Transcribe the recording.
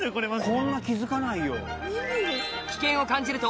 こんな気付かないよ。